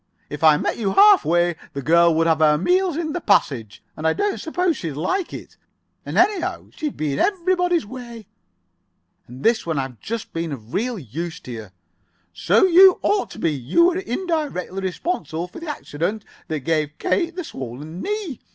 "If I met you half way the girl would have her meals in the passage. And I don't suppose she'd like it, and anyhow she'd be in everybody's way." "And this when I've just been of real use to you." "So you ought to be. You were indirectly responsible for the accident that gave Kate the swollen knee.